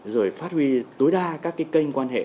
rồi phát huy tối đa các kênh quan hệ